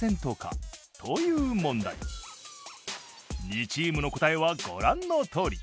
２チームの答えはご覧のとおり。